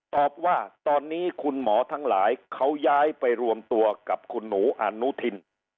ตอบว่าตอนนี้คุณหมอทั้งหลายเขาย้ายไปรวมตัวกับคุณหนูอนุทิน